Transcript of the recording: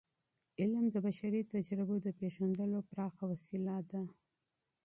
علم د بشري تجربو د پیژندلو پراخه وسیله ده.